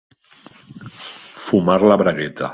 Fumar la bragueta.